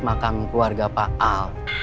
makam keluarga pak al